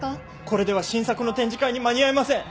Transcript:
これでは新作の展示会に間に合いません。